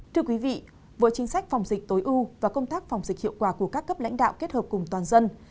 thưa quý vị với chính sách phòng dịch tối ưu và công tác phòng dịch hiệu quả của các cấp lãnh đạo kết hợp cùng toàn dân